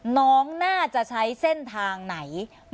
น้องน่าจะใช้เส้นทางไหน